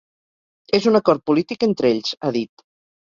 És un acord polític entre ells, ha dit.